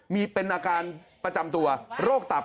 มีเป็นอาการประจำตัวโรคตับ